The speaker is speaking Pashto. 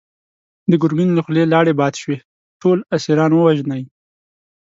د ګرګين له خولې لاړې باد شوې! ټول اسيران ووژنی!